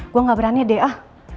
gue gak berani deh ah